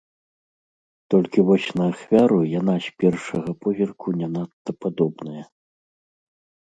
Толькі вось на ахвяру яна з першага позірку не надта падобная.